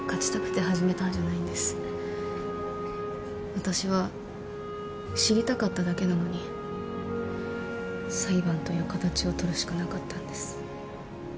私は知りたかっただけなのに裁判という形を取るしかなかったんです。